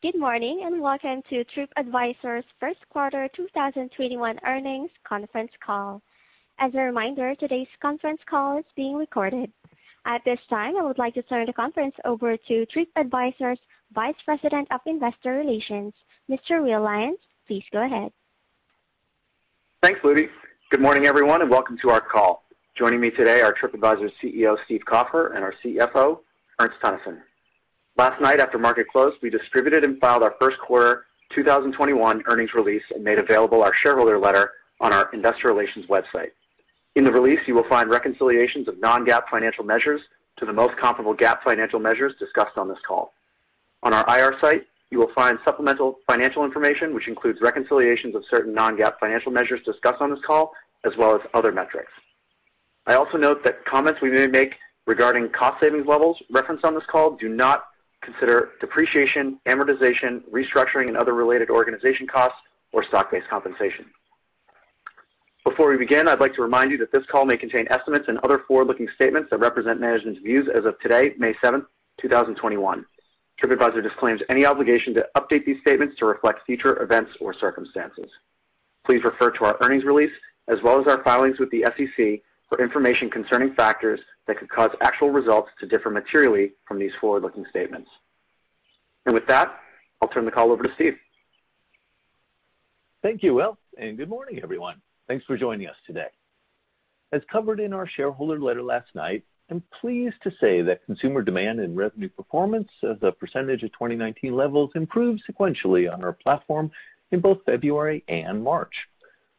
Good morning, welcome to TripAdvisor's first quarter 2021 earnings conference call. As a reminder, today's conference call is being recorded. At this time, I would like to turn the conference over to TripAdvisor's Vice President of Investor Relations, Mr. Will Lyons. Please go ahead. Thanks, Ludy. Good morning, everyone, and welcome to our call. Joining me today are TripAdvisor CEO, Steve Kaufer, and our CFO, Ernst Teunissen. Last night after market close, we distributed and filed our first quarter 2021 earnings release and made available our shareholder letter on our investor relations website. In the release, you will find reconciliations of non-GAAP financial measures to the most comparable GAAP financial measures discussed on this call. On our IR site, you will find supplemental financial information, which includes reconciliations of certain non-GAAP financial measures discussed on this call, as well as other metrics. I also note that comments we may make regarding cost savings levels referenced on this call do not consider depreciation, amortization, restructuring, and other related organization costs or stock-based compensation. Before we begin, I'd like to remind you that this call may contain estimates and other forward-looking statements that represent management's views as of today, May 7th, 2021. TripAdvisor disclaims any obligation to update these statements to reflect future events or circumstances. Please refer to our earnings release as well as our filings with the SEC for information concerning factors that could cause actual results to differ materially from these forward-looking statements. With that, I'll turn the call over to Steve. Thank you, Will, and good morning, everyone. Thanks for joining us today. As covered in our shareholder letter last night, I'm pleased to say that consumer demand and revenue performance as a percentage of 2019 levels improved sequentially on our platform in both February and March.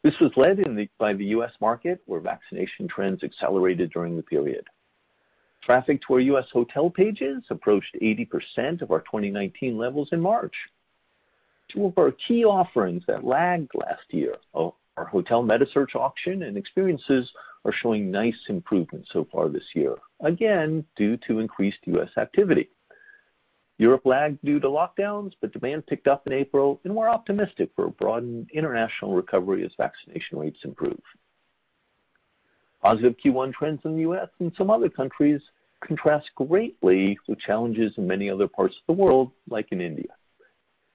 This was led by the U.S. market, where vaccination trends accelerated during the period. Traffic to our U.S. hotel pages approached 80% of our 2019 levels in March. Two of our key offerings that lagged last year, our hotel metasearch auction and experiences, are showing nice improvements so far this year, again, due to increased U.S. activity. Europe lagged due to lockdowns, but demand picked up in April, and we're optimistic for a broadened international recovery as vaccination rates improve. Positive Q1 trends in the U.S. and some other countries contrast greatly with challenges in many other parts of the world, like in India.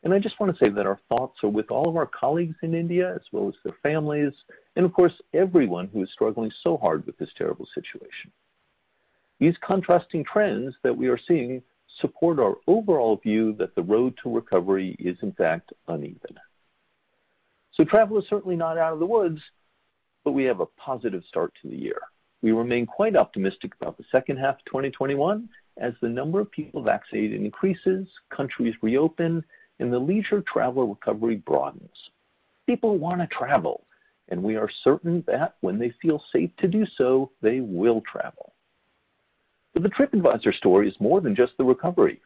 I just want to say that our thoughts are with all of our colleagues in India, as well as their families, and of course, everyone who is struggling so hard with this terrible situation. These contrasting trends that we are seeing support our overall view that the road to recovery is in fact uneven. Travel is certainly not out of the woods, but we have a positive start to the year. We remain quite optimistic about the second half of 2021 as the number of people vaccinated increases, countries reopen, and the leisure traveler recovery broadens. People want to travel, and we are certain that when they feel safe to do so, they will travel. The TripAdvisor story is more than just the recovery.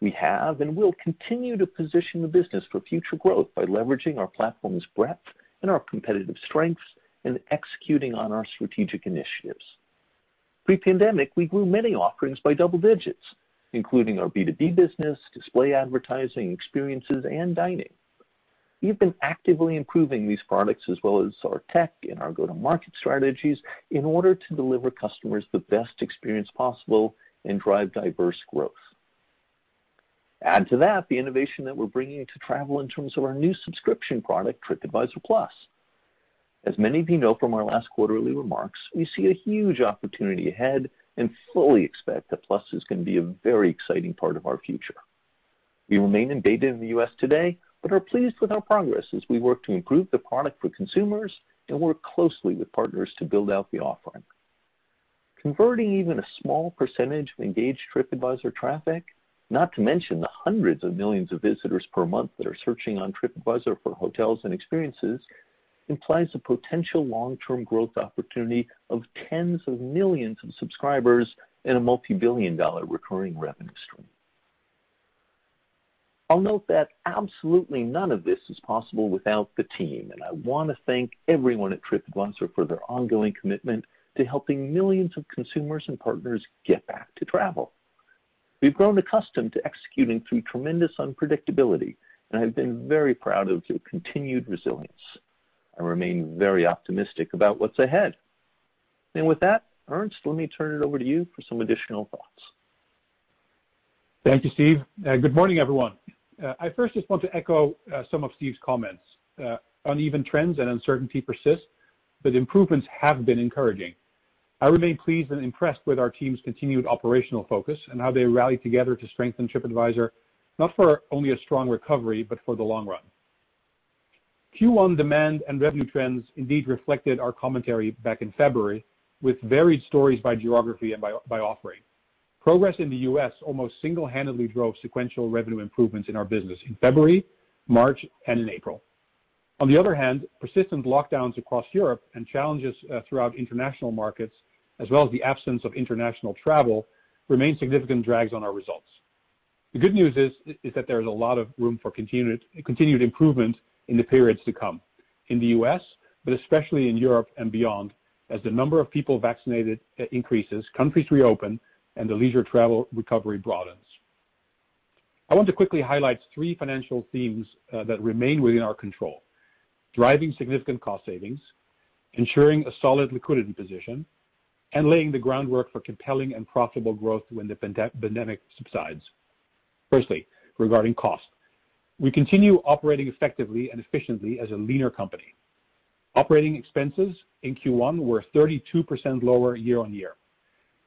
We have and will continue to position the business for future growth by leveraging our platform's breadth and our competitive strengths and executing on our strategic initiatives. Pre-pandemic, we grew many offerings by double digits, including our B2B business, display advertising, experiences, and dining. We've been actively improving these products as well as our tech and our go-to-market strategies in order to deliver customers the best experience possible and drive diverse growth. Add to that the innovation that we're bringing to travel in terms of our new subscription product, TripAdvisor Plus. As many of you know from our last quarterly remarks, we see a huge opportunity ahead and fully expect that Plus is going to be a very exciting part of our future. We remain in beta in the U.S. today, but are pleased with our progress as we work to improve the product for consumers and work closely with partners to build out the offering. Converting even a small percentage of engaged TripAdvisor traffic, not to mention the hundreds of millions of visitors per month that are searching on TripAdvisor for hotels and experiences, implies a potential long-term growth opportunity of tens of millions of subscribers and a multibillion-dollar recurring revenue stream. I'll note that absolutely none of this is possible without the team, and I want to thank everyone at TripAdvisor for their ongoing commitment to helping millions of consumers and partners get back to travel. We've grown accustomed to executing through tremendous unpredictability, and I've been very proud of your continued resilience. I remain very optimistic about what's ahead. With that, Ernst, let me turn it over to you for some additional thoughts. Thank you, Steve. Good morning, everyone. I first just want to echo some of Steve's comments. Uneven trends and uncertainty persist, but improvements have been encouraging. I remain pleased and impressed with our team's continued operational focus and how they rallied together to strengthen TripAdvisor, not for only a strong recovery, but for the long run. Q1 demand and revenue trends indeed reflected our commentary back in February, with varied stories by geography and by offering. Progress in the U.S. almost single-handedly drove sequential revenue improvements in our business in February, March, and in April. On the other hand, persistent lockdowns across Europe and challenges throughout international markets, as well as the absence of international travel, remain significant drags on our results. The good news is that there is a lot of room for continued improvement in the periods to come, in the U.S., but especially in Europe and beyond, as the number of people vaccinated increases, countries reopen, and the leisure travel recovery broadens. I want to quickly highlight three financial themes that remain within our control. Driving significant cost savings, ensuring a solid liquidity position, and laying the groundwork for compelling and profitable growth when the pandemic subsides. Firstly, regarding cost, we continue operating effectively and efficiently as a leaner company. Operating expenses in Q1 were 32% lower year-over-year.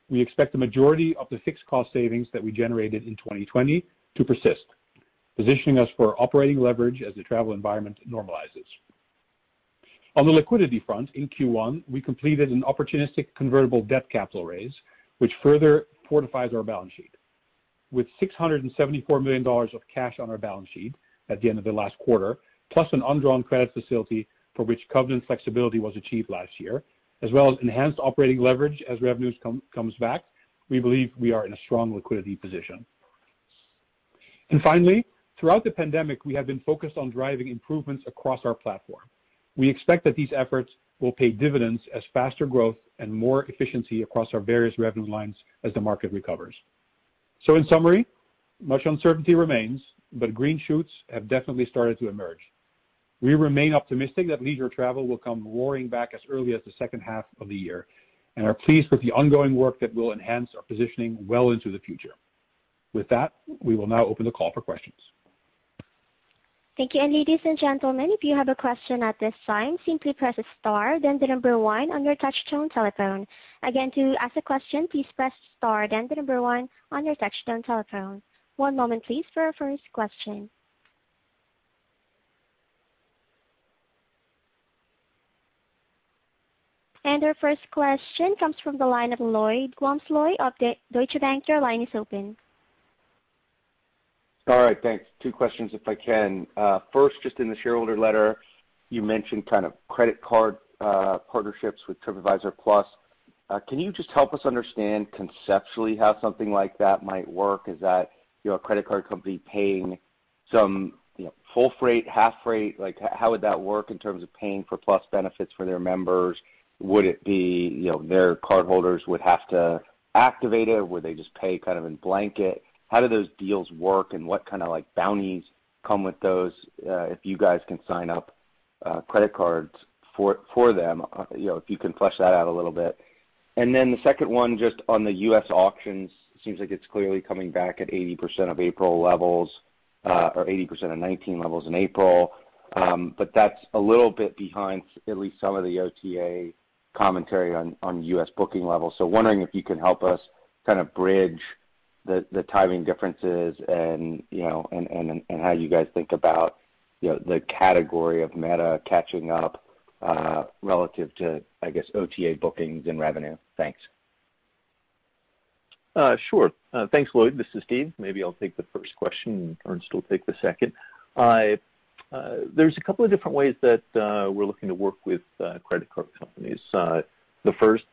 We expect the majority of the fixed cost savings that we generated in 2020 to persist, positioning us for operating leverage as the travel environment normalizes. On the liquidity front, in Q1, we completed an opportunistic convertible debt capital raise, which further fortifies our balance sheet. With $674 million of cash on our balance sheet at the end of the last quarter, plus an undrawn credit facility for which covenant flexibility was achieved last year, as well as enhanced operating leverage as revenues comes back, we believe we are in a strong liquidity position. Throughout the pandemic, we have been focused on driving improvements across our platform. We expect that these efforts will pay dividends as faster growth and more efficiency across our various revenue lines as the market recovers. In summary, much uncertainty remains, but green shoots have definitely started to emerge. We remain optimistic that leisure travel will come roaring back as early as the second half of the year, and are pleased with the ongoing work that will enhance our positioning well into the future. With that, we will now open the call for questions. Thank you. Ladies and gentlemen, if you have a question at this time, simply press star then the number one on your touchtone telephone. Again, to ask a question, please press star then the number one on your touchtone telephone. One moment please for our first question. Our first question comes from the line of Lloyd Walmsley. Lloyd of the Deutsche Bank, your line is open. All right. Thanks. Two questions, if I can. First, just in the shareholder letter, you mentioned kind of credit card, partnerships with TripAdvisor Plus. Can you just help us understand conceptually how something like that might work? Is that a credit card company paying some full rate, half rate? How would that work in terms of paying for Plus benefits for their members? Would it be their cardholders would have to activate it? Would they just pay kind of in blanket? How do those deals work, and what kind of bounties come with those, if you guys can sign up credit cards for them? If you can flesh that out a little bit. The second one, just on the U.S. auctions, seems like it's clearly coming back at 80% of April levels, or 80% of 2019 levels in April. That's a little bit behind at least some of the OTA commentary on U.S. booking levels. Wondering if you can help us kind of bridge the timing differences and how you guys think about the category of meta catching up, relative to, I guess, OTA bookings and revenue. Thanks. Sure. Thanks, Lloyd. This is Steve. Maybe I'll take the first question, and Ernst will take the second. There's a couple of different ways that we're looking to work with credit card companies. The first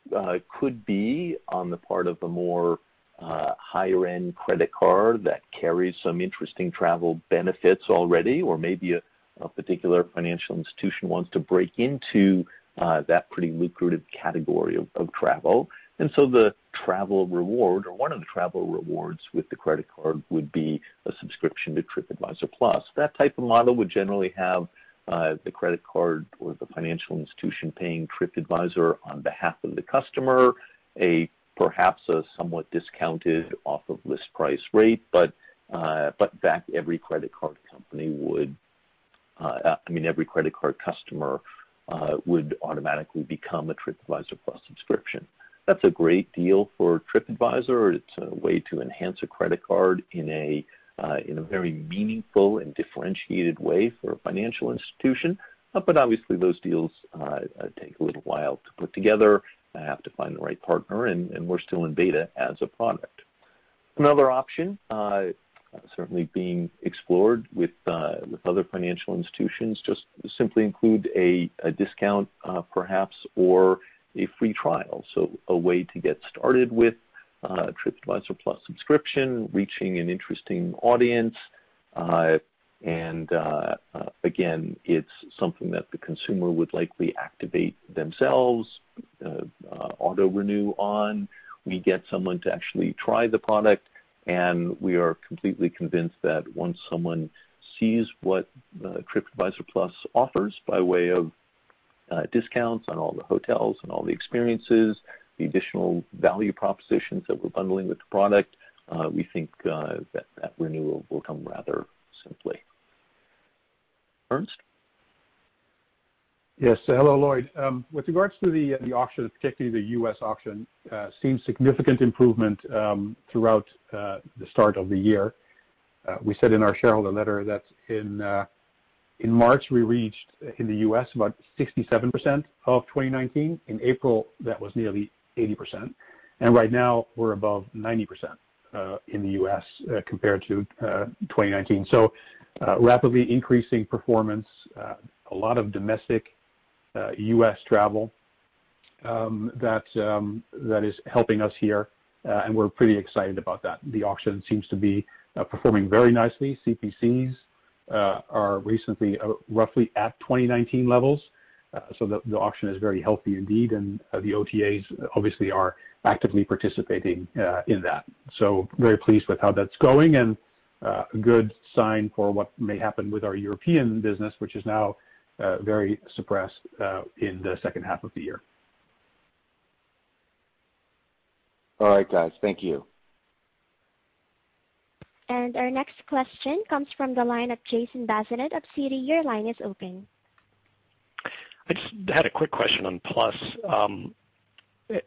could be on the part of a more higher end credit card that carries some interesting travel benefits already or maybe a particular financial institution wants to break into that pretty lucrative category of travel. The travel reward or one of the travel rewards with the credit card would be a subscription to TripAdvisor Plus. That type of model would generally have the credit card or the financial institution paying TripAdvisor on behalf of the customer, perhaps a somewhat discounted off of list price rate, but in fact, every credit card customer would automatically become a TripAdvisor Plus subscription. That's a great deal for TripAdvisor. It's a way to enhance a credit card in a very meaningful and differentiated way for a financial institution. Obviously, those deals take a little while to put together, have to find the right partner, and we're still in beta as a product. Another option, certainly being explored with other financial institutions, just simply include a discount, perhaps, or a free trial. A way to get started with TripAdvisor Plus subscription, reaching an interesting audience. Again, it's something that the consumer would likely activate themselves, auto-renew on. We get someone to actually try the product, and we are completely convinced that once someone sees what TripAdvisor Plus offers by way of discounts on all the hotels and all the experiences, the additional value propositions that we're bundling with the product, we think that that renewal will come rather simply. Ernst? Yes. Hello, Lloyd. With regards to the auction, particularly the U.S. auction, seeing significant improvement throughout the start of the year. We said in our shareholder letter that in March, we reached in the U.S. about 67% of 2019. In April, that was nearly 80%. Right now, we're above 90% in the U.S. compared to 2019. Rapidly increasing performance, a lot of domestic U.S. travel, that is helping us here. We're pretty excited about that. The auction seems to be performing very nicely. CPCs are recently roughly at 2019 levels. The auction is very healthy indeed, and the OTAs obviously are actively participating in that. Very pleased with how that's going, and a good sign for what may happen with our European business, which is now very suppressed in the second half of the year. All right, guys. Thank you. Our next question comes from the line of Jason Bazinet of Citi. Your line is open. I just had a quick question on Plus.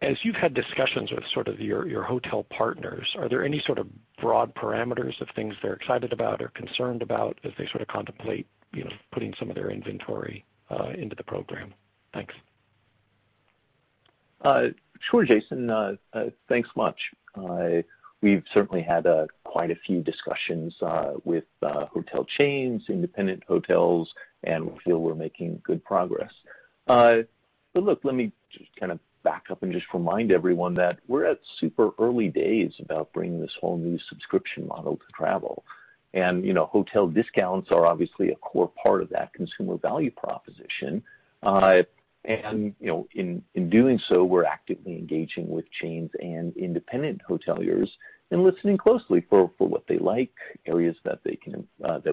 As you've had discussions with sort of your hotel partners, are there any sort of broad parameters of things they're excited about or concerned about as they sort of contemplate putting some of their inventory into the program? Thanks. Sure, Jason. Thanks much. We've certainly had quite a few discussions with hotel chains, independent hotels, and we feel we're making good progress. Look, let me just kind of back up and just remind everyone that we're at super early days about bringing this whole new subscription model to travel. Hotel discounts are obviously a core part of that consumer value proposition. In doing so, we're actively engaging with chains and independent hoteliers and listening closely for what they like, areas that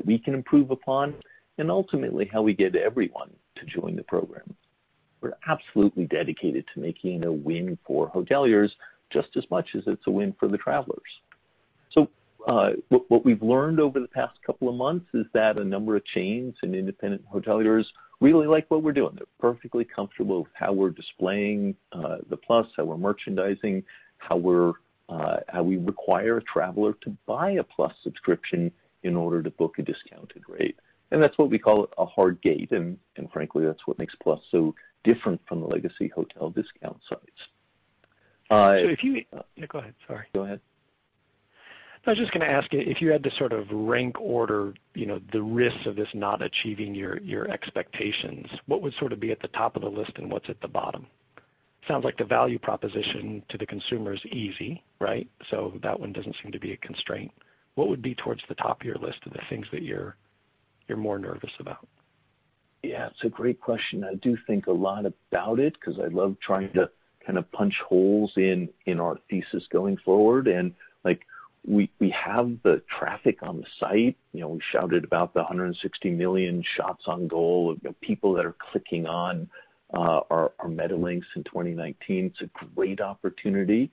we can improve upon, and ultimately how we get everyone to join the program. We're absolutely dedicated to making it a win for hoteliers just as much as it's a win for the travelers. What we've learned over the past couple of months is that a number of chains and independent hoteliers really like what we're doing. They're perfectly comfortable with how we're displaying the Plus, how we're merchandising, how we require a traveler to buy a Plus subscription in order to book a discounted rate. That's what we call a hard gate, and frankly, that's what makes Plus so different from the legacy hotel discount sites. Yeah, go ahead. Sorry. Go ahead. I was just going to ask you, if you had to sort of rank order the risks of this not achieving your expectations, what would sort of be at the top of the list and what's at the bottom? Sounds like the value proposition to the consumer is easy, right? That one doesn't seem to be a constraint. What would be towards the top of your list of the things that you're more nervous about? It's a great question. I do think a lot about it because I love trying to kind of punch holes in our thesis going forward. We have the traffic on the site. We shouted about the 160 million shots on goal of people that are clicking on our meta links in 2019. It's a great opportunity.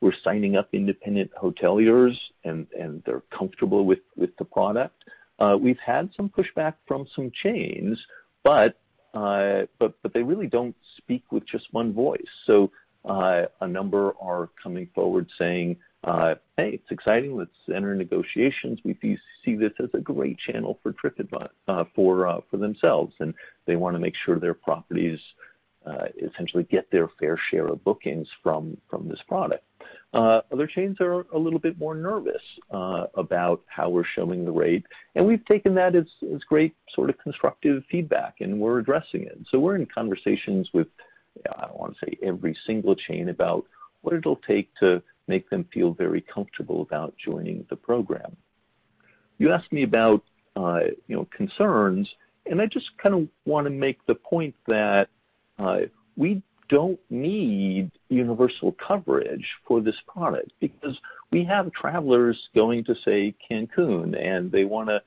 We're signing up independent hoteliers. They're comfortable with the product. We've had some pushback from some chains. They really don't speak with just one voice. A number are coming forward saying, "Hey, it's exciting. Let's enter negotiations." We see this as a great channel for themselves. They want to make sure their properties essentially get their fair share of bookings from this product. Other chains are a little bit more nervous about how we're showing the rate, and we've taken that as great sort of constructive feedback, and we're addressing it. We're in conversations with, I don't want to say every single chain, about what it'll take to make them feel very comfortable about joining the program. You asked me about concerns, and I just kind of want to make the point that we don't need universal coverage for this product because we have travelers going to, say, Cancun, and they want to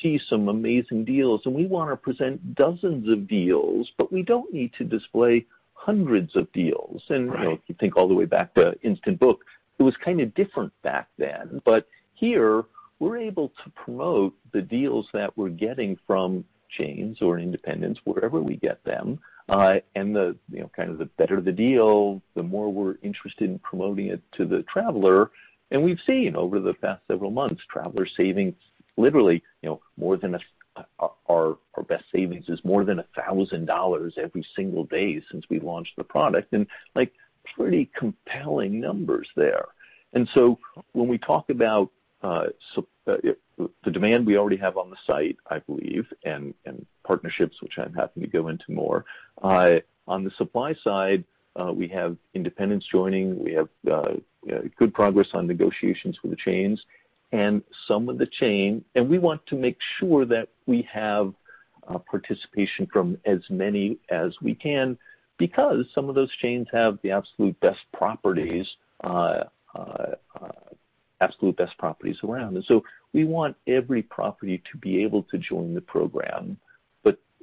see some amazing deals, and we want to present dozens of deals, but we don't need to display hundreds of deals. Right. If you think all the way back to Instant Book, it was kind of different back then. Here, we're able to promote the deals that we're getting from chains or independents, wherever we get them, and kind of the better the deal, the more we're interested in promoting it to the traveler. We've seen over the past several months, traveler savings, literally our best savings is more than $1,000 every single day since we launched the product, and pretty compelling numbers there. When we talk about the demand we already have on the site, I believe, and partnerships, which I am happy to go into more, on the supply side, we have independents joining, we have good progress on negotiations with the chains. We want to make sure that we have participation from as many as we can because some of those chains have the absolute best properties around. We want every property to be able to join the program.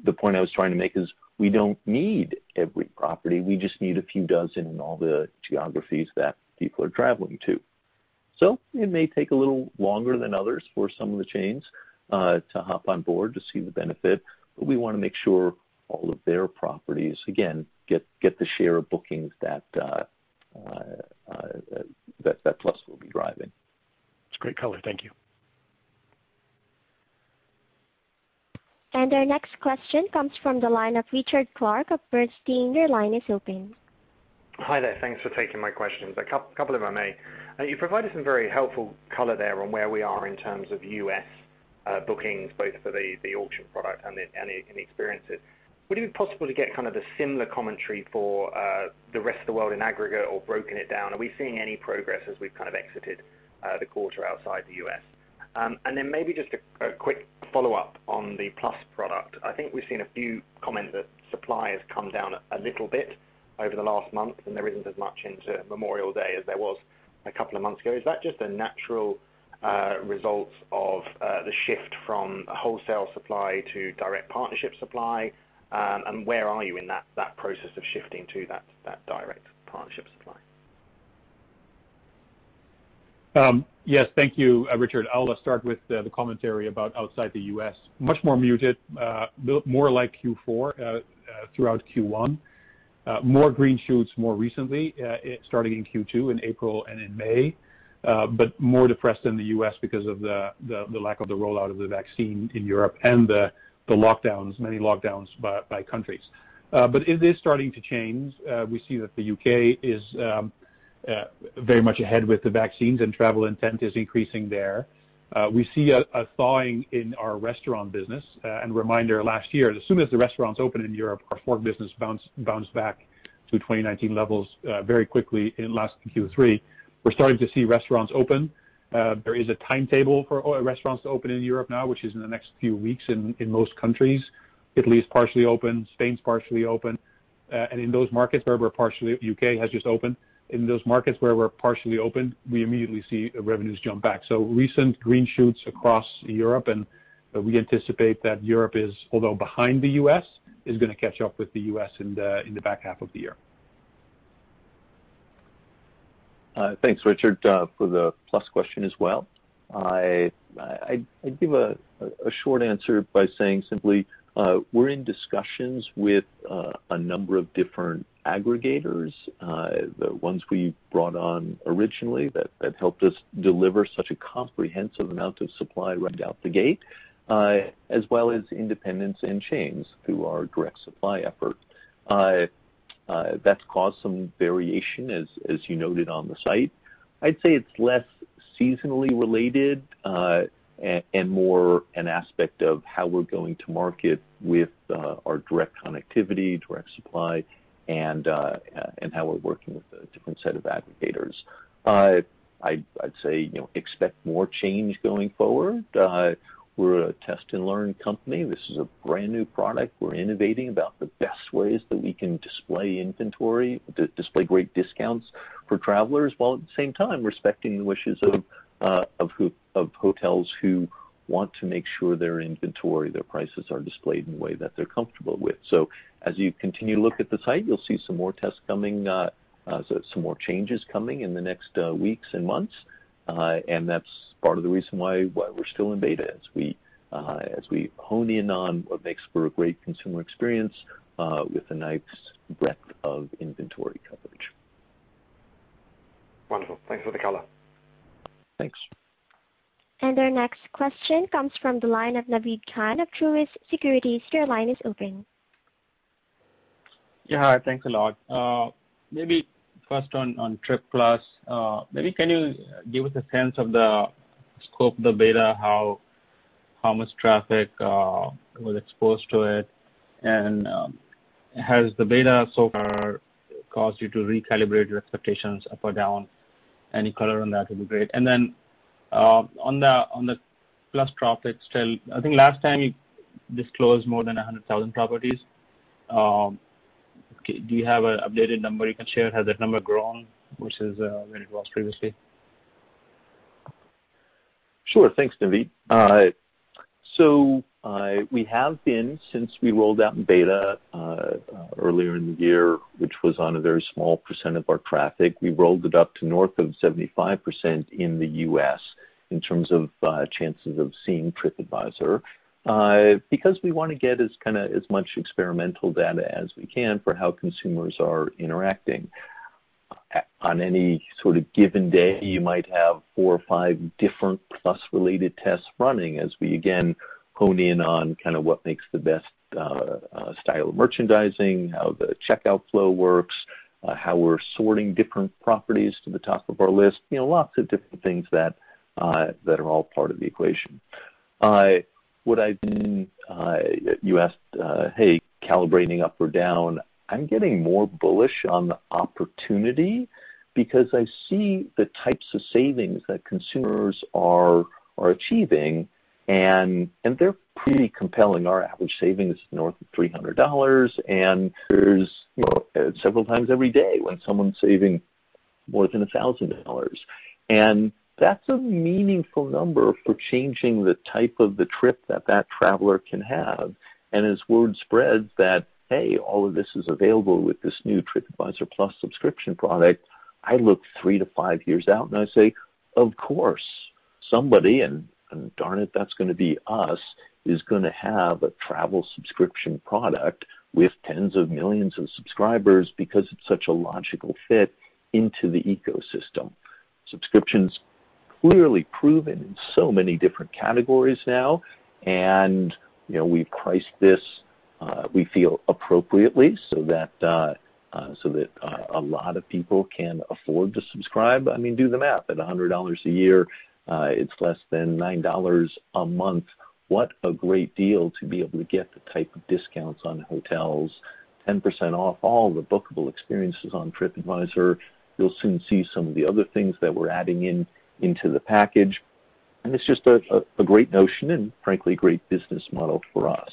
The point I was trying to make is we don't need every property. We just need a few dozen in all the geographies that people are traveling to. It may take a little longer than others for some of the chains to hop on board to see the benefit, but we want to make sure all of their properties, again, get the share of bookings that Plus will be driving. That's great color. Thank you. Our next question comes from the line of Richard Clarke of Bernstein. Your line is open. Hi there. Thanks for taking my questions, a couple if I may. You provided some very helpful color there on where we are in terms of U.S. bookings, both for the auction product and the Experiences. Would it be possible to get kind of the similar commentary for the rest of the world in aggregate or broken it down? Are we seeing any progress as we've kind of exited the quarter outside the U.S.? Then maybe just a quick follow-up on the Plus product. I think we've seen a few comments that supply has come down a little bit over the last month, and there isn't as much into Memorial Day as there was a couple of months ago. Is that just a natural result of the shift from wholesale supply to direct partnership supply? Where are you in that process of shifting to that direct partnership supply? Yes. Thank you, Richard. I'll start with the commentary about outside the U.S. Much more muted, built more like Q4 throughout Q1. More green shoots more recently, starting in Q2, in April and in May, but more depressed than the U.S. because of the lack of the rollout of the vaccine in Europe and the many lockdowns by countries. It is starting to change. We see that the U.K. is very much ahead with the vaccines, and travel intent is increasing there. We see a thawing in our restaurant business. Reminder, last year, as soon as the restaurants opened in Europe, our TheFork business bounced back to 2019 levels very quickly in last Q3. We're starting to see restaurants open. There is a timetable for restaurants to open in Europe now, which is in the next few weeks in most countries. Italy's partially open, Spain's partially open. U.K. has just opened. In those markets where we're partially open, we immediately see revenues jump back. Recent green shoots across Europe, and we anticipate that Europe is, although behind the U.S., is going to catch up with the U.S. in the back half of the year. Thanks, Richard, for the Plus question as well. I'd give a short answer by saying simply, we're in discussions with a number of different aggregators, the ones we brought on originally that helped us deliver such a comprehensive amount of supply right out the gate, as well as independents and chains through our direct supply effort. That's caused some variation, as you noted, on the site. I'd say it's less seasonally related, and more an aspect of how we're going to market with our direct connectivity, direct supply, and how we're working with a different set of aggregators. I'd say, expect more change going forward. We're a test and learn company. This is a brand new product. We're innovating about the best ways that we can display inventory, display great discounts for travelers, while at the same time, respecting the wishes of hotels who want to make sure their inventory, their prices, are displayed in a way that they're comfortable with. As you continue to look at the site, you'll see some more tests coming, some more changes coming in the next weeks and months. That's part of the reason why we're still in beta, as we hone in on what makes for a great consumer experience with a nice breadth of inventory coverage. Wonderful. Thanks for the color. Thanks. Our next question comes from the line of Naved Khan of Truist Securities. Your line is open. Yeah. Hi. Thanks a lot. First on Trip Plus, can you give us a sense of the scope of the beta, how much traffic was exposed to it? Has the beta so far caused you to recalibrate your expectations up or down? Any color on that would be great. On the Plus traffic still, I think last time you disclosed more than 100,000 properties. Do you have an updated number you can share? Has that number grown versus where it was previously? Sure. Thanks, Naved. We have been, since we rolled out in beta earlier in the year, which was on a very small percent of our traffic, we rolled it up to north of 75% in the U.S. in terms of chances of seeing TripAdvisor, because we want to get as much experimental data as we can for how consumers are interacting. On any sort of given day, you might have four or five different Plus-related tests running as we, again, hone in on what makes the best style of merchandising, how the checkout flow works, how we're sorting different properties to the top of our list. Lots of different things that are all part of the equation. You asked, hey, calibrating up or down. I'm getting more bullish on the opportunity because I see the types of savings that consumers are achieving, and they're pretty compelling. Our average savings is north of $300, there's several times every day when someone's saving more than $1,000. That's a meaningful number for changing the type of the trip that that traveler can have. As word spreads that, hey, all of this is available with this new TripAdvisor Plus subscription product, I look three to five years out and I say, of course, somebody, and darn it, that's going to be us, is going to have a travel subscription product with tens of millions of subscribers because it's such a logical fit into the ecosystem. Subscription's clearly proven in so many different categories now. We've priced this, we feel, appropriately so that a lot of people can afford to subscribe. Do the math. At $100 a year, it's less than $9 a month. What a great deal to be able to get the type of discounts on hotels, 10% off all the bookable experiences on TripAdvisor. You'll soon see some of the other things that we're adding into the package, and it's just a great notion and, frankly, great business model for us.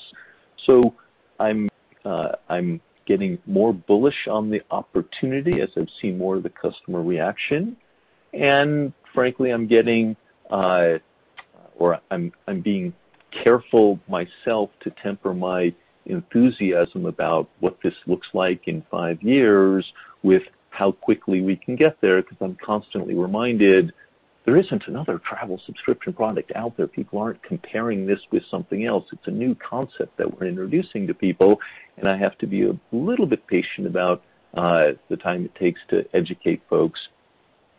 I'm getting more bullish on the opportunity as I've seen more of the customer reaction. Frankly, I'm being careful myself to temper my enthusiasm about what this looks like in five years with how quickly we can get there, because I'm constantly reminded there isn't another travel subscription product out there. People aren't comparing this with something else. It's a new concept that we're introducing to people, and I have to be a little bit patient about the time it takes to educate folks,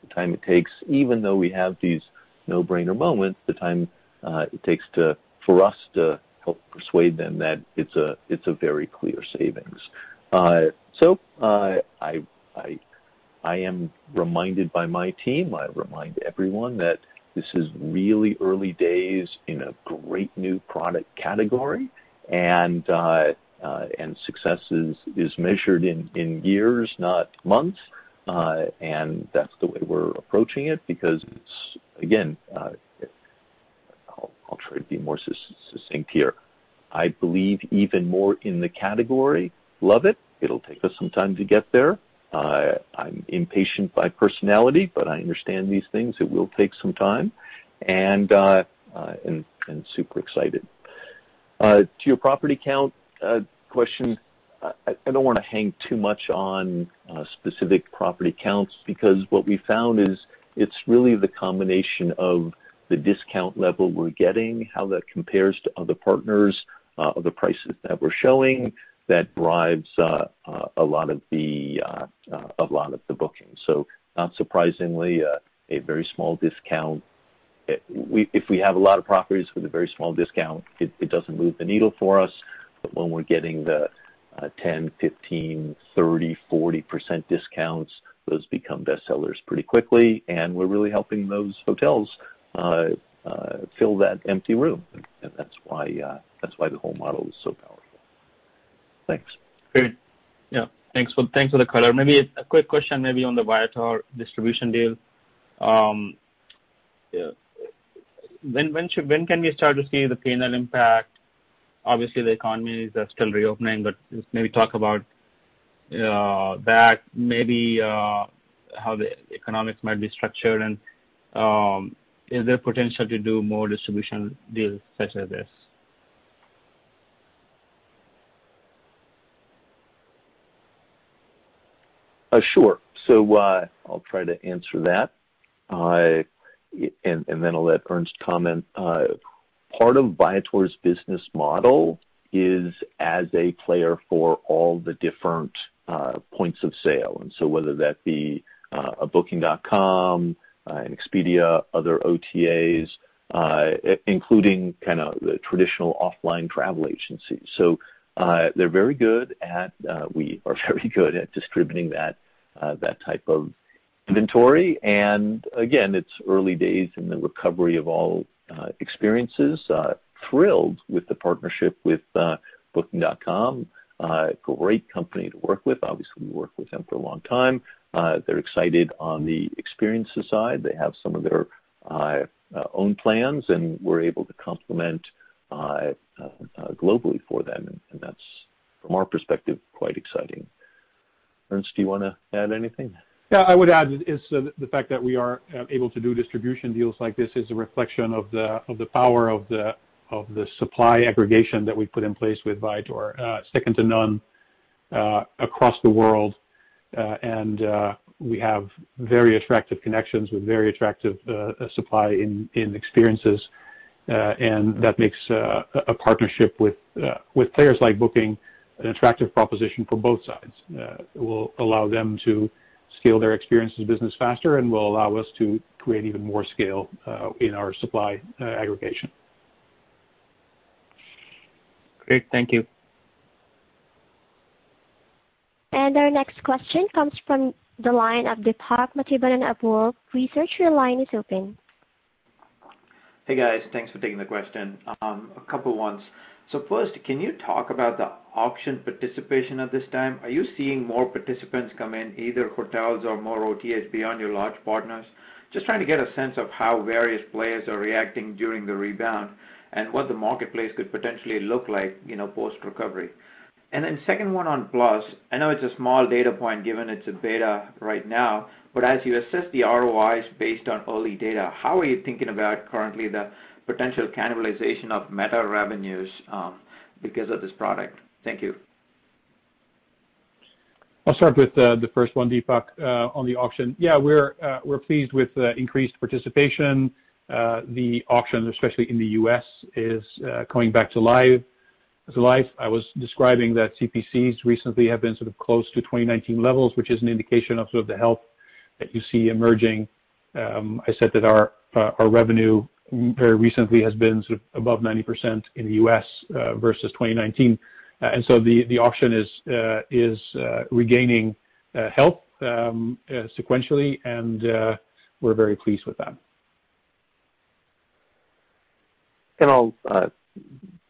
the time it takes, even though we have these no-brainer moments, the time it takes for us to help persuade them that it's a very clear savings. I am reminded by my team, I remind everyone that this is really early days in a great new product category, and success is measured in years, not months. That's the way we're approaching it because, again, I'll try to be more succinct here. I believe even more in the category. Love it. It'll take us some time to get there. I'm impatient by personality, but I understand these things. It will take some time. I am super excited. To your property count question, I don't want to hang too much on specific property counts because what we found is it's really the combination of the discount level we're getting, how that compares to other partners, the prices that we're showing, that drives a lot of the bookings. Not surprisingly, a very small discount. If we have a lot of properties with a very small discount, it doesn't move the needle for us. When we're getting the 10%, 15%, 30%, 40% discounts, those become bestsellers pretty quickly, and we're really helping those hotels fill that empty room. That's why the whole model is so powerful. Thanks. Great. Yeah. Thanks for the color. Maybe a quick question maybe on the Viator distribution deal. When can we start to see the P&L impact? Obviously, the economies are still reopening, but just maybe talk about that, maybe how the economics might be structured, and is there potential to do more distribution deals such as this? Sure. I'll try to answer that, and then I'll let Ernst comment. Part of Viator's business model is as a player for all the different points of sale, and so whether that be a Booking.com, an Expedia, other OTAs, including kind of the traditional offline travel agencies. We are very good at distributing that type of inventory. Again, it's early days in the recovery of all experiences. Thrilled with the partnership with Booking.com. Great company to work with. Obviously, we've worked with them for a long time. They're excited on the experiences side. They have some of their own plans, and we're able to complement globally for them, and that's, from our perspective, quite exciting. Ernst, do you want to add anything? Yeah, I would add is the fact that we are able to do distribution deals like this is a reflection of the power of the supply aggregation that we put in place with Viator, second to none across the world. We have very attractive connections with very attractive supply in experiences, and that makes a partnership with players like Booking an attractive proposition for both sides. It will allow them to scale their experiences business faster and will allow us to create even more scale in our supply aggregation. Great. Thank you. Our next question comes from the line of Deepak Mathivanan, Wolfe Research. Your line is open. Hey, guys. Thanks for taking the question. A couple ones. First, can you talk about the auction participation at this time? Are you seeing more participants come in, either hotels or more OTAs beyond your large partners? Just trying to get a sense of how various players are reacting during the rebound and what the marketplace could potentially look like post-recovery. Second one on Plus, I know it's a small data point given it's a beta right now, but as you assess the ROIs based on early data, how are you thinking about currently the potential cannibalization of meta revenues because of this product? Thank you. I'll start with the first one, Deepak, on the auction. Yeah, we're pleased with the increased participation. The auction, especially in the U.S., is coming back to life. I was describing that CPCs recently have been sort of close to 2019 levels, which is an indication of sort of the health that you see emerging. I said that our revenue very recently has been above 90% in the U.S. versus 2019. The auction is regaining health sequentially, and we're very pleased with that. I'll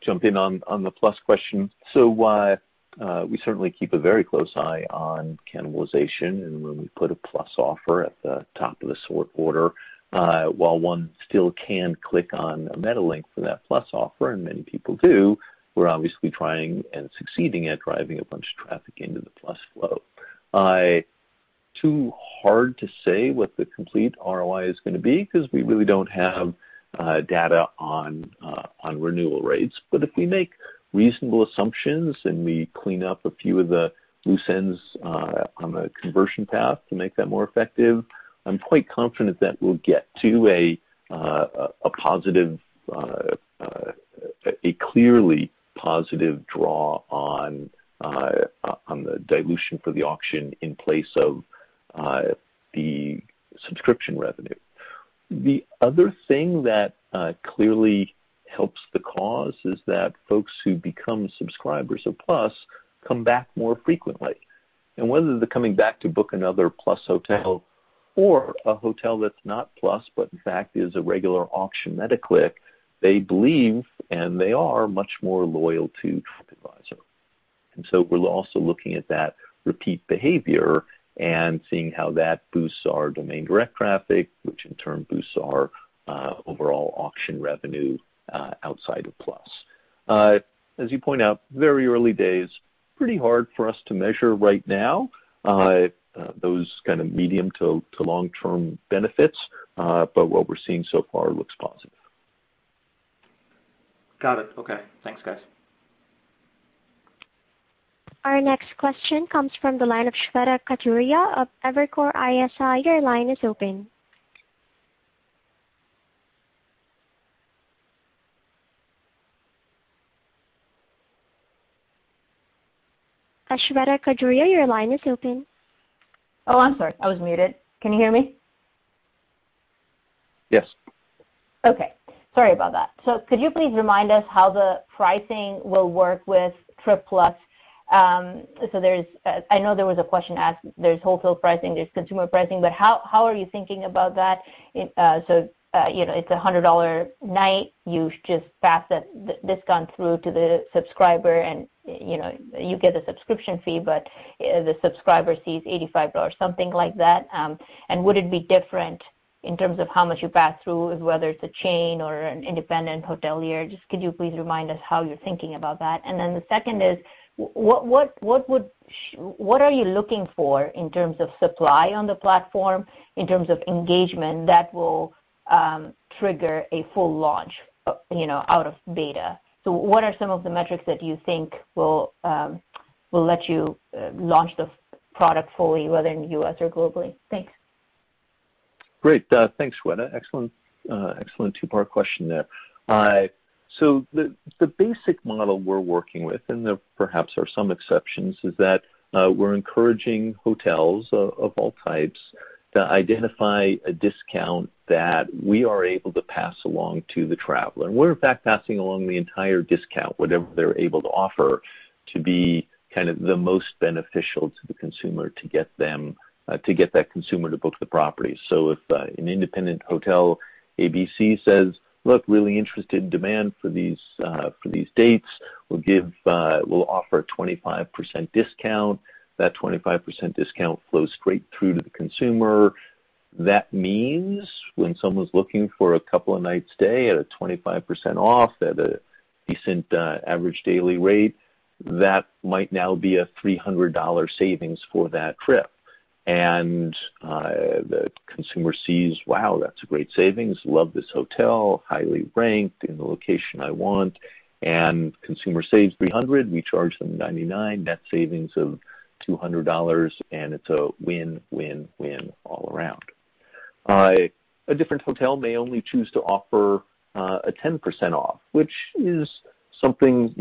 jump in on the Plus question. We certainly keep a very close eye on cannibalization and when we put a Plus offer at the top of the sort order, while one still can click on a meta link for that Plus offer, and many people do, we're obviously trying and succeeding at driving a bunch of traffic into the Plus flow. Too hard to say what the complete ROI is going to be because we really don't have data on renewal rates. If we make reasonable assumptions, and we clean up a few of the loose ends on the conversion path to make that more effective, I'm quite confident that we'll get to a clearly positive draw on the dilution for the auction in place of the subscription revenue. The other thing that clearly helps the cause is that folks who become subscribers of Plus come back more frequently. Whether they're coming back to book another Plus hotel or a hotel that's not Plus, but in fact is a regular auction meta click, they believe, and they are much more loyal to TripAdvisor. So we're also looking at that repeat behavior and seeing how that boosts our domain direct traffic, which in turn boosts our overall auction revenue outside of Plus. As you point out, very early days, pretty hard for us to measure right now those kind of medium to long-term benefits. What we're seeing so far looks positive. Got it. Okay. Thanks, guys. Our next question comes from the line of Shweta Khajuria of Evercore ISI. Your line is open. Shweta Khajuria, your line is open. Oh, I'm sorry. I was muted. Can you hear me? Yes. Okay. Sorry about that. Could you please remind us how the pricing will work with Trip Plus? I know there was a question asked, there's wholesale pricing, there's consumer pricing, but how are you thinking about that? It's $100 a night. You just pass the discount through to the subscriber, and you get a subscription fee, but the subscriber sees $85, something like that. Would it be different in terms of how much you pass through, whether it's a chain or an independent hotelier? Just could you please remind us how you're thinking about that? The second is, what are you looking for in terms of supply on the platform, in terms of engagement that will trigger a full launch out of beta? What are some of the metrics that you think will let you launch the product fully, whether in the U.S. or globally? Thanks. Great. Thanks, Shweta. Excellent two-part question there. The basic model we're working with, and there perhaps are some exceptions, is that we're encouraging hotels of all types to identify a discount that we are able to pass along to the traveler. We're in fact passing along the entire discount, whatever they're able to offer to be kind of the most beneficial to the consumer to get that consumer to book the property. If an independent hotel ABC says, "Look, really interested in demand for these dates. We'll offer a 25% discount," that 25% discount flows straight through to the consumer. That means when someone's looking for a couple of nights stay at a 25% off at a decent average daily rate, that might now be a $300 savings for that trip. The consumer sees, wow, that's a great savings, love this hotel, highly ranked in the location I want. Consumer saves $300, we charge them $99, net savings of $200, and it's a win-win-win all around. A different hotel may only choose to offer a 10% off, which is something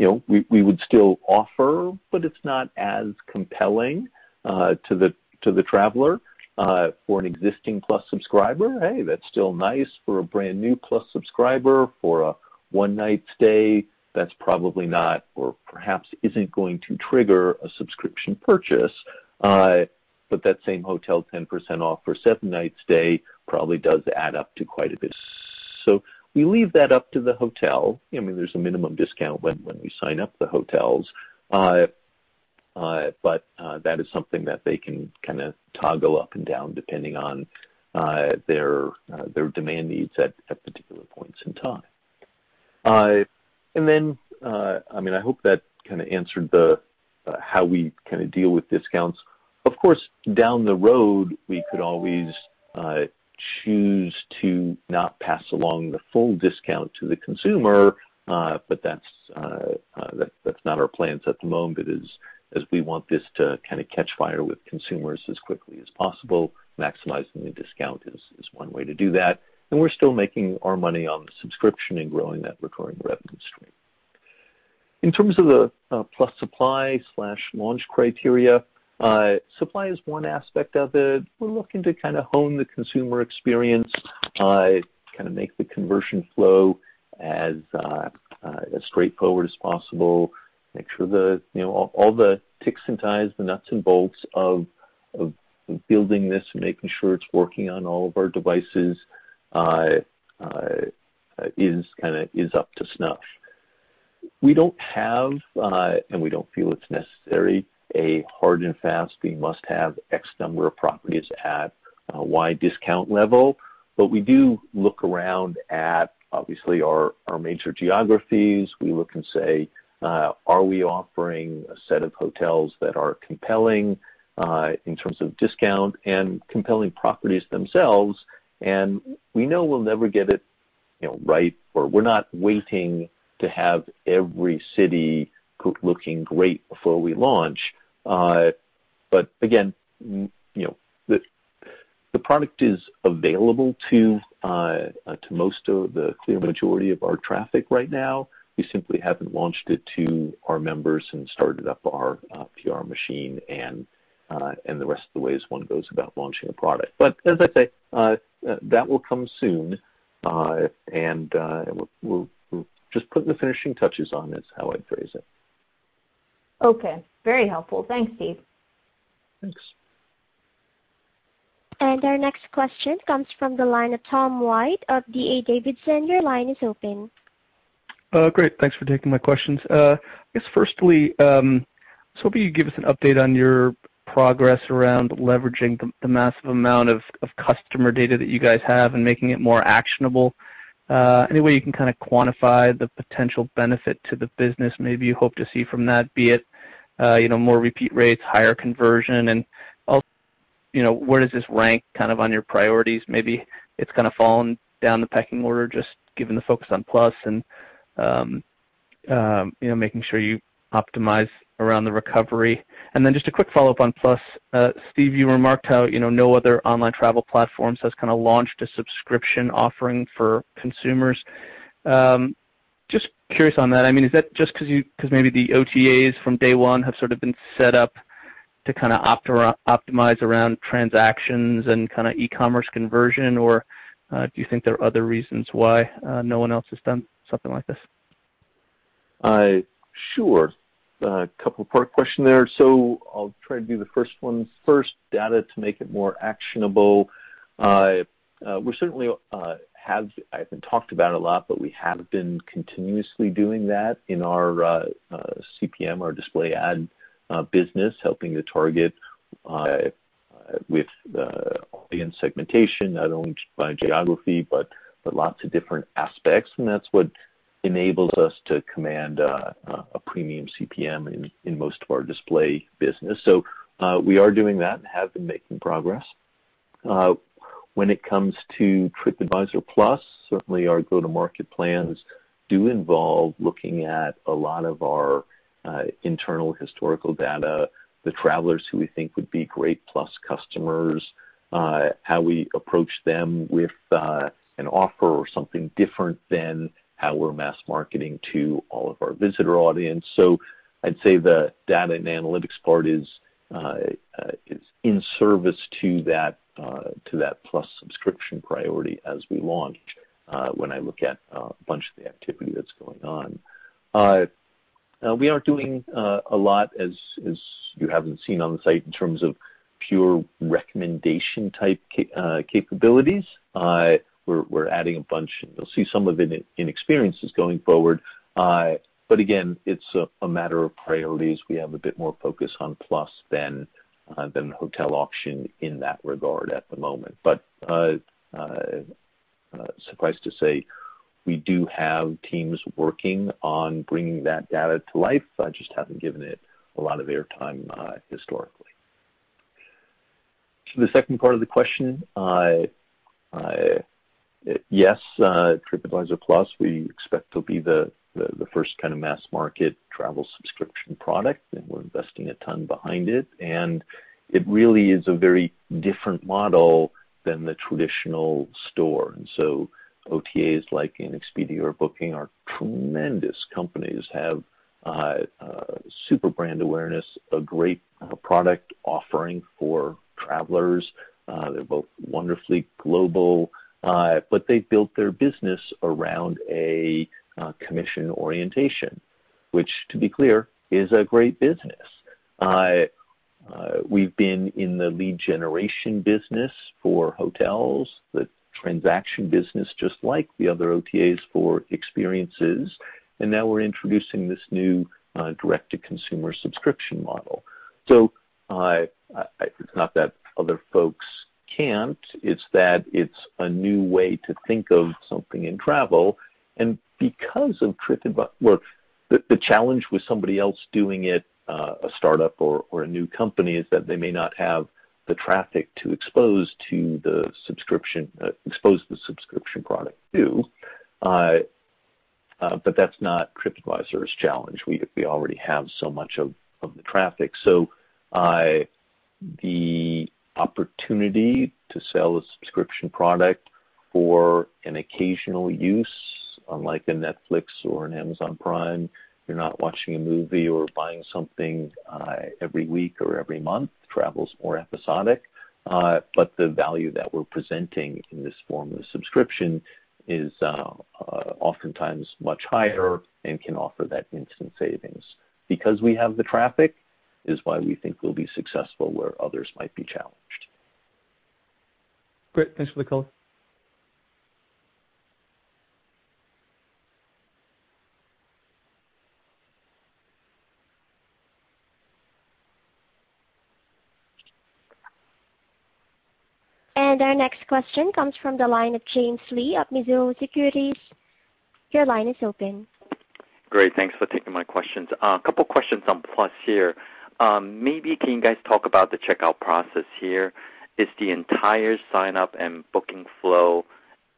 we would still offer, but it's not as compelling to the traveler. For an existing Plus subscriber, hey, that's still nice. For a brand new Plus subscriber for a one night stay, that's probably not or perhaps isn't going to trigger a subscription purchase. That same hotel, 10% off for a seven-night stay probably does add up to quite a bit. We leave that up to the hotel. There's a minimum discount when we sign up the hotels. That is something that they can kind of toggle up and down depending on their demand needs at particular points in time. I hope that kind of answered how we kind of deal with discounts. Of course, down the road, we could always choose to not pass along the full discount to the consumer, but that's not our plans at the moment as we want this to kind of catch fire with consumers as quickly as possible. Maximizing the discount is one way to do that, and we're still making our money on the subscription and growing that recurring revenue stream. In terms of the Plus supply/launch criteria, supply is one aspect of it. We're looking to kind of hone the consumer experience and make the conversion flow as straightforward as possible, make sure all the ticks and ties, the nuts and bolts of building this and making sure it's working on all of our devices is up to snuff. We don't have, and we don't feel it's necessary, a hard and fast, we must have X number of properties at Y discount level. We do look around at, obviously, our major geographies. We look and say, "Are we offering a set of hotels that are compelling, in terms of discount, and compelling properties themselves?" We know we'll never get it right, or we're not waiting to have every city looking great before we launch. Again, the product is available to most of the clear majority of our traffic right now. We simply haven't launched it to our members and started up our PR machine and the rest of the ways one goes about launching a product. As I say, that will come soon, and we're just putting the finishing touches on is how I'd phrase it. Okay. Very helpful. Thanks, Steve. Thanks. Our next question comes from the line of Tom White of D.A. Davidson. Your line is open. Great. Thanks for taking my questions. I guess firstly, I was hoping you could give us an update on your progress around leveraging the massive amount of customer data that you guys have and making it more actionable. Any way you can quantify the potential benefit to the business maybe you hope to see from that, be it more repeat rates, higher conversion? Also, where does this rank on your priorities? Maybe it's fallen down the pecking order, just given the focus on Plus and making sure you optimize around the recovery. Then just a quick follow-up on Plus. Steve, you remarked how no other online travel platform has launched a subscription offering for consumers. Just curious on that. Is that just because maybe the OTAs from day one have sort of been set up to optimize around transactions and e-commerce conversion, or do you think there are other reasons why no one else has done something like this? Sure. A couple-part question there. I'll try to do the first one. First, data to make it more actionable. We certainly have, I haven't talked about it a lot, but we have been continuously doing that in our CPM, our display ad business, helping to target with audience segmentation, not only by geography, but lots of different aspects. That's what enables us to command a premium CPM in most of our display business. We are doing that and have been making progress. When it comes to TripAdvisor Plus, certainly our go-to-market plans do involve looking at a lot of our internal historical data, the travelers who we think would be great Plus customers, how we approach them with an offer or something different than how we're mass marketing to all of our visitor audience. I'd say the data and analytics part is in service to that Plus subscription priority as we launch, when I look at a bunch of the activity that's going on. We are doing a lot, as you haven't seen on the site, in terms of pure recommendation type capabilities. We're adding a bunch, and you'll see some of it in experiences going forward. Again, it's a matter of priorities. We have a bit more focus on Plus than Hotel Auction in that regard at the moment. Suffice to say, we do have teams working on bringing that data to life, just haven't given it a lot of air time historically. To the second part of the question, yes, TripAdvisor Plus, we expect to be the first kind of mass market travel subscription product, and we're investing a ton behind it, and it really is a very different model than the traditional store. OTAs like an Expedia or Booking are tremendous companies, have super brand awareness, a great product offering for travelers. They're both wonderfully global, but they've built their business around a commission orientation, which, to be clear, is a great business. We've been in the lead generation business for hotels, the transaction business, just like the other OTAs, for experiences, and now we're introducing this new direct-to-consumer subscription model. It's not that other folks can't, it's that it's a new way to think of something in travel. Well, the challenge with somebody else doing it, a startup or a new company, is that they may not have the traffic to expose the subscription product to, but that's not TripAdvisor's challenge. We already have so much of the traffic. The opportunity to sell a subscription product for an occasional use, unlike a Netflix or an Amazon Prime, you're not watching a movie or buying something every week or every month. Travel's more episodic. The value that we're presenting in this form of subscription is oftentimes much higher and can offer that instant savings. Because we have the traffic is why we think we'll be successful where others might be challenged. Great. Thanks for the call. Our next question comes from the line of James Lee of Mizuho Securities. Your line is open. Great. Thanks for taking my questions. A couple questions on Plus here. Maybe can you guys talk about the checkout process here? Is the entire sign-up and booking flow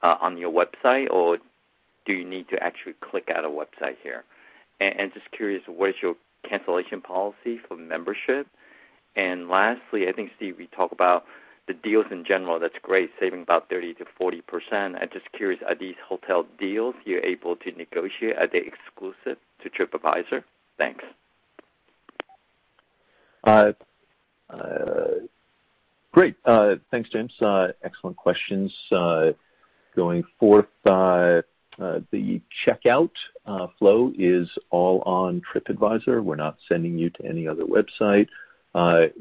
on your website, or do you need to actually click out a website here? Just curious, what is your cancellation policy for membership? Lastly, I think, Steve, we talk about the deals in general. That's great, saving about 30%-40%. I'm just curious, are these hotel deals you're able to negotiate, are they exclusive to TripAdvisor? Thanks. Great. Thanks, James. Excellent questions. Going forth, the checkout flow is all on TripAdvisor. We're not sending you to any other website.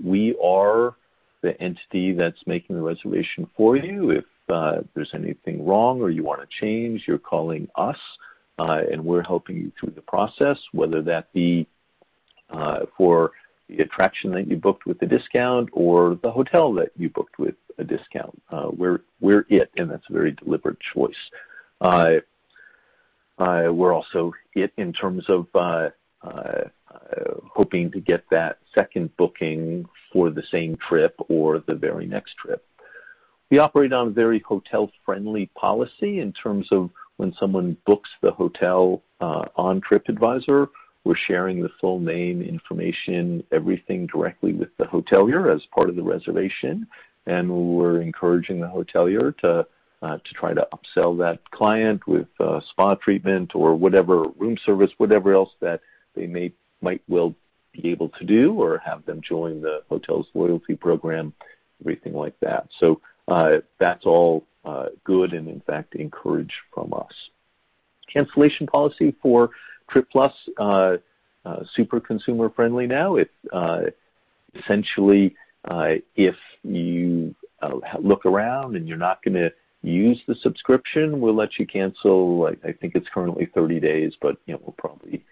We are the entity that's making the reservation for you. If there's anything wrong or you want to change, you're calling us, and we're helping you through the process, whether that be for the attraction that you booked with the discount or the hotel that you booked with a discount. We're it, and that's a very deliberate choice. We're also it in terms of hoping to get that second booking for the same trip or the very next trip. We operate on a very hotel-friendly policy in terms of when someone books the hotel on TripAdvisor, we're sharing the full name information, everything directly with the hotelier as part of the reservation, and we're encouraging the hotelier to try to upsell that client with a spa treatment or whatever, room service, whatever else that they might well be able to do or have them join the hotel's loyalty program, everything like that. That's all good and in fact encouraged from us. Cancellation policy for Trip Plus, super consumer friendly now. It essentially, if you look around and you're not going to use the subscription, we'll let you cancel, I think it's currently 30 days, but we'll probably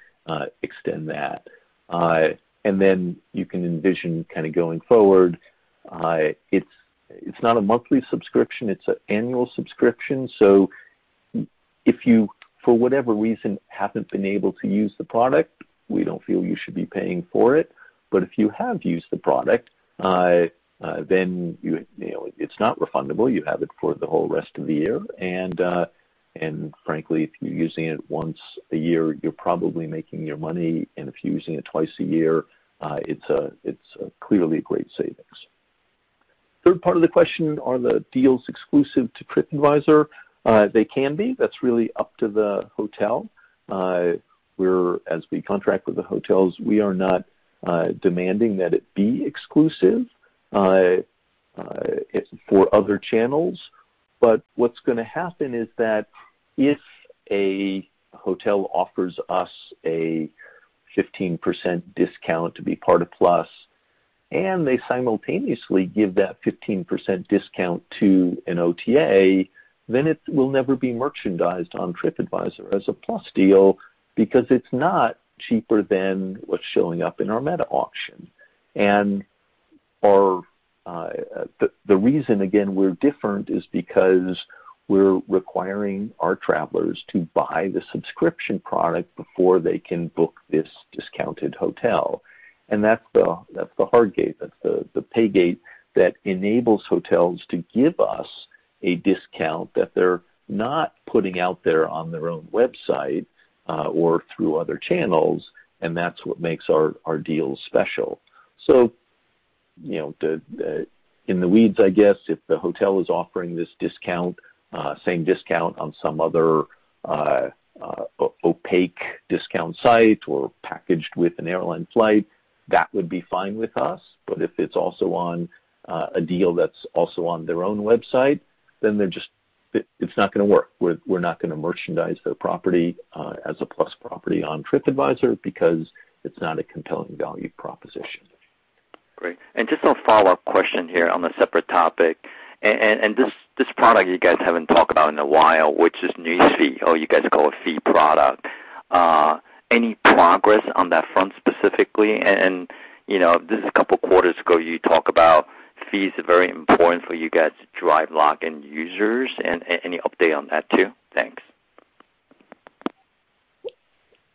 extend that. You can envision going forward, it's not a monthly subscription, it's an annual subscription. If you, for whatever reason, haven't been able to use the product, we don't feel you should be paying for it. If you have used the product, then it's not refundable. You have it for the whole rest of the year. Frankly, if you're using it once a year, you're probably making your money, and if you're using it twice a year, it's clearly a great savings. Third part of the question, are the deals exclusive to TripAdvisor? They can be. That's really up to the hotel. As we contract with the hotels, we are not demanding that it be exclusive for other channels. What's going to happen is that if a hotel offers us a 15% discount to be part of Plus, and they simultaneously give that 15% discount to an OTA, then it will never be merchandised on TripAdvisor as a Plus deal because it's not cheaper than what's showing up in our meta auction. The reason, again, we're different is because we're requiring our travelers to buy the subscription product before they can book this discounted hotel. That's the hard gate, that's the pay gate that enables hotels to give us a discount that they're not putting out there on their own website, or through other channels, and that's what makes our deals special. In the weeds, I guess, if the hotel is offering this discount, same discount on some other opaque discount site or packaged with an airline flight, that would be fine with us, but if it's also on a deal that's also on their own website, then it's not going to work. We're not going to merchandise their property as a Plus property on TripAdvisor because it's not a compelling value proposition. Great. Just a follow-up question here on a separate topic. This product you guys haven't talked about in a while, which is travel feed, or you guys call a feed product. Any progress on that front specifically? Just a couple quarters ago, you talked about feeds are very important for you guys to drive login users. Any update on that too? Thanks.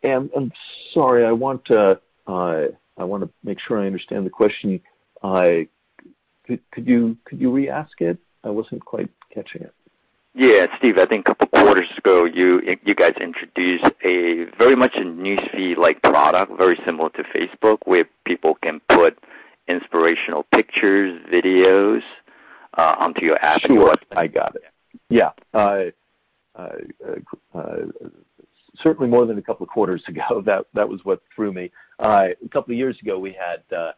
I'm sorry, I want to make sure I understand the question. Could you re-ask it? I wasn't quite catching it. Yeah. Steve, I think, you guys introduced very much a news feed-like product, very similar to Facebook, where people can put inspirational pictures, videos, onto your app. Sure. I got it. Yeah. Certainly more than a couple of quarters ago, that was what threw me. A couple of years ago, we added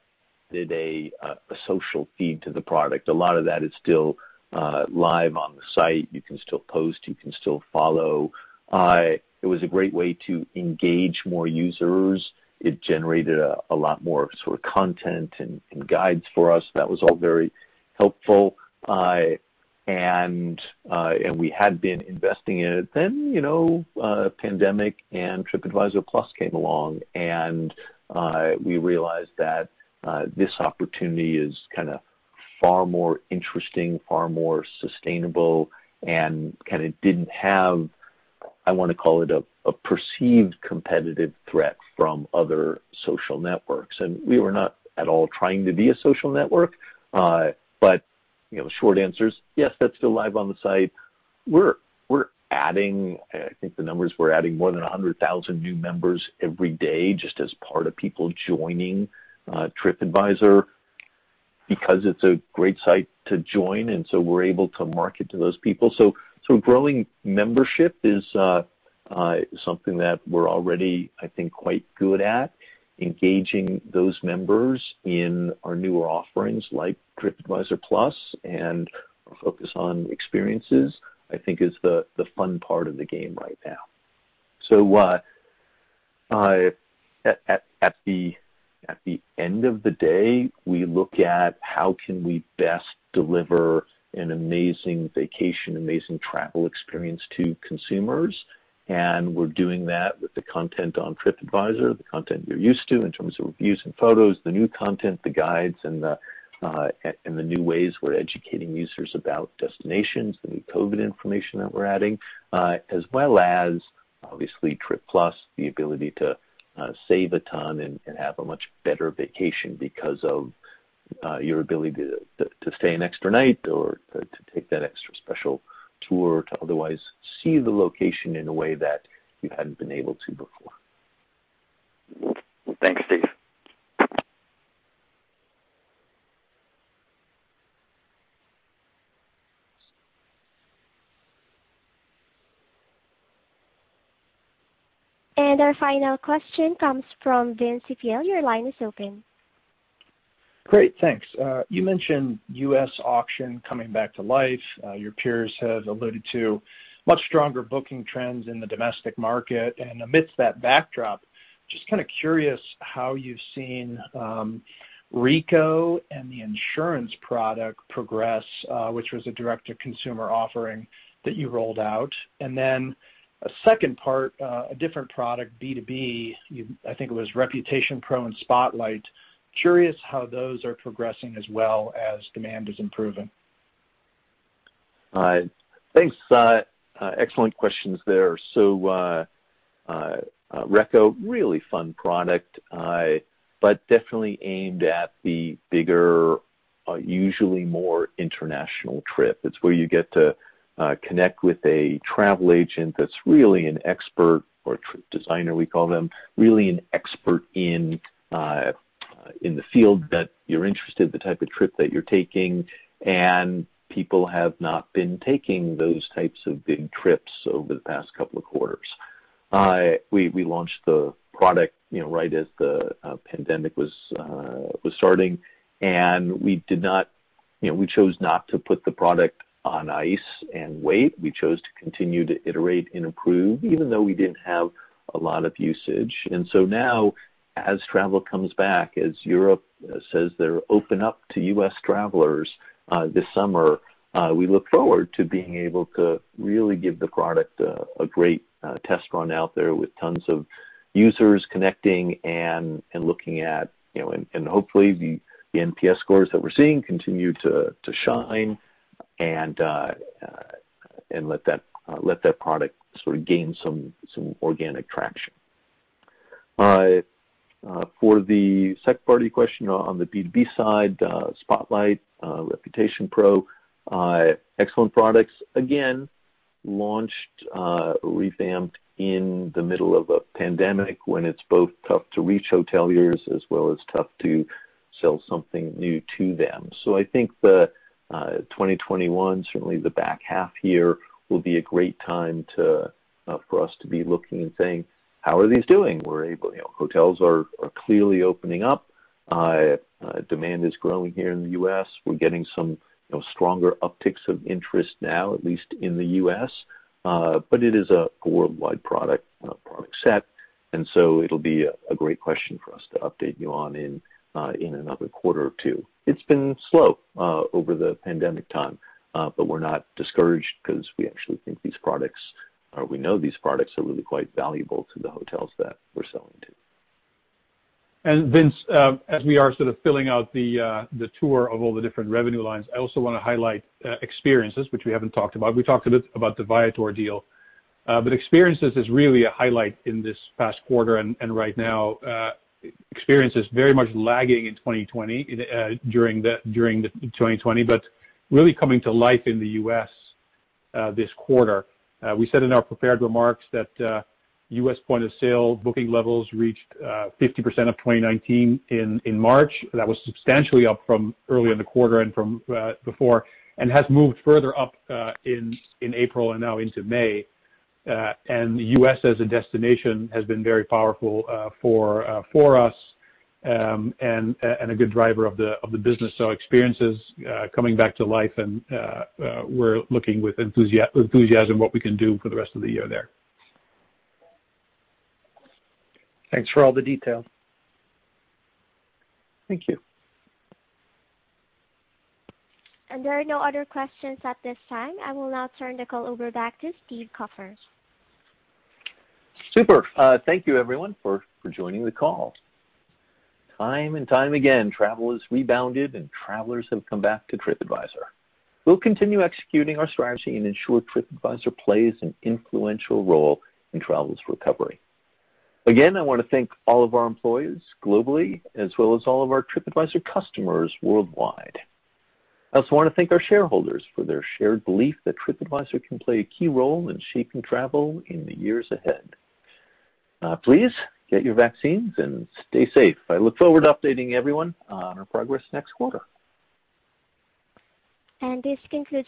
a social feed to the product. A lot of that is still live on the site. You can still post, you can still follow. It was a great way to engage more users. It generated a lot more content and guides for us. That was all very helpful. We had been investing in it then, pandemic and TripAdvisor Plus came along, and we realized that this opportunity is kind of far more interesting, far more sustainable, and kind of didn't have, I want to call it a perceived competitive threat from other social networks. We were not at all trying to be a social network. The short answer is, yes, that's still live on the site. We're adding, I think the numbers were adding more than 100,000 new members every day, just as part of people joining TripAdvisor because it's a great site to join. We're able to market to those people. Growing membership is something that we're already, I think, quite good at. Engaging those members in our newer offerings like TripAdvisor Plus and our focus on experiences, I think is the fun part of the game right now. At the end of the day, we look at how can we best deliver an amazing vacation, amazing travel experience to consumers, and we're doing that with the content on TripAdvisor, the content you're used to in terms of reviews and photos, the new content, the guides, and the new ways we're educating users about destinations, the new COVID information that we're adding, as well as, obviously, Trip Plus, the ability to save a ton and have a much better vacation because of your ability to stay an extra night or to take that extra special tour to otherwise see the location in a way that you hadn't been able to before. Thanks, Steve. Our final question comes from Vince Ciepiel. Your line is open. Great, thanks. You mentioned U.S. auction coming back to life. Your peers have alluded to much stronger booking trends in the domestic market, amidst that backdrop, just kind of curious how you've seen Reco and the insurance product progress, which was a direct-to-consumer offering that you rolled out. Then a second part, a different product, B2B, I think it was Reputation Pro and Spotlight. Curious how those are progressing as well as demand is improving. Thanks. Excellent questions there. Reco, really fun product, but definitely aimed at the bigger, usually more international trip. It's where you get to connect with a travel agent that's really an expert, or a trip designer we call them, really an expert in the field that you're interested, the type of trip that you're taking, and people have not been taking those types of big trips over the past couple of quarters. We launched the product right as the pandemic was starting, and we chose not to put the product on ice and wait. We chose to continue to iterate and improve, even though we didn't have a lot of usage. Now, as travel comes back, as Europe says they're open up to U.S. travelers this summer, we look forward to being able to really give the product a great test run out there with tons of users connecting. Hopefully, the NPS scores that we're seeing continue to shine, and let that product sort of gain some organic traction. For the second part of your question on the B2B side, Spotlight, Reputation Pro, excellent products. Again, launched, revamped in the middle of a pandemic when it's both tough to reach hoteliers as well as tough to sell something new to them. I think that 2021, certainly the back half here, will be a great time for us to be looking and saying, "How are these doing?" Hotels are clearly opening up. Demand is growing here in the U.S. We're getting some stronger upticks of interest now, at least in the U.S. It is a worldwide product set, it'll be a great question for us to update you on in another quarter or two. It's been slow over the pandemic time, we're not discouraged because we actually think these products, or we know these products are really quite valuable to the hotels that we're selling to. Vince, as we are sort of filling out the tour of all the different revenue lines, I also want to highlight Experiences, which we haven't talked about. We talked a bit about the Viator deal. Experiences is really a highlight in this past quarter and right now. Experiences is very much lagging in 2020, but really coming to life in the U.S. this quarter. We said in our prepared remarks that U.S. point-of-sale booking levels reached 50% of 2019 in March. That was substantially up from early in the quarter and from before, and has moved further up in April and now into May. The U.S. as a destination has been very powerful for us, and a good driver of the business. Experiences coming back to life, and we're looking with enthusiasm what we can do for the rest of the year there. Thanks for all the detail. Thank you. There are no other questions at this time. I will now turn the call over back to Steve Kaufer. Super. Thank you, everyone, for joining the call. Time and time again, travel has rebounded and travelers have come back to TripAdvisor. We'll continue executing our strategy and ensure TripAdvisor plays an influential role in travel's recovery. Again, I want to thank all of our employees globally, as well as all of our TripAdvisor customers worldwide. I also want to thank our shareholders for their shared belief that TripAdvisor can play a key role in shaping travel in the years ahead. Please get your vaccines and stay safe. I look forward to updating everyone on our progress next quarter. This concludes.